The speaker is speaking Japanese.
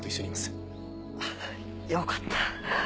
ああよかった。